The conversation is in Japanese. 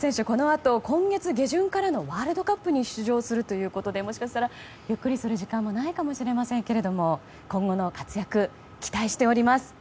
このあと今月下旬からのワールドカップに出場するということでもしかしたらゆっくりする時間もないかもしれませんが今後の活躍、期待しております。